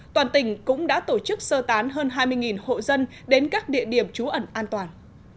toàn tỉnh cũng đã tổ chức sơ tán hơn hai mươi hộ dân đến các địa điểm trú ẩn an toàn